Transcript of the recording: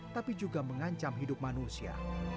tapi juga mengancam hidup manusia